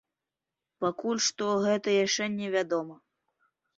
Пакуль што гэта яшчэ не вядома.